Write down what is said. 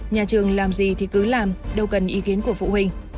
nhà trường làm gì thì cứ làm đâu cần ý kiến của phụ huynh